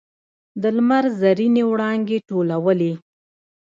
د لمر زرینې وړانګې ټولولې.